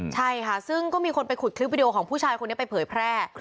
ใช่ค่ะซึ่งก็มีคนไปขุดคลิปวิดีโอของผู้ชายคนนี้ไปเผยแพร่